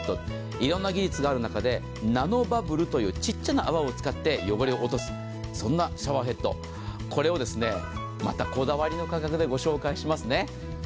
いろいろな技術がある中で、ナノバブルというちっちゃな泡を使って汚れを落とす、そんなシャワーヘッドをまたこだわりの価格でご紹介しますね。